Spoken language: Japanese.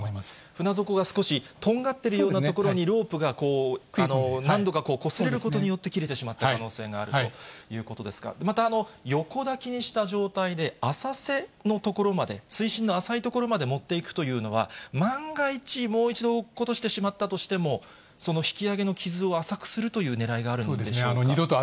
船底が少しとんがってるような所に、ロープが何度かこすれることによって、切れてしまった可能性があるということですが、また横抱きにした状態で浅瀬の所まで、水深の浅い所まで持っていくというのは、万が一、もう一度、落っことしてしまったとしても、その引き揚げの傷を浅くするというねらいがあるということでしょうか。